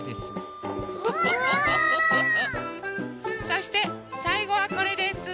そしてさいごはこれです。